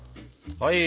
はい。